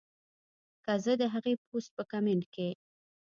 کۀ زۀ د هغې پوسټ پۀ کمنټ کښې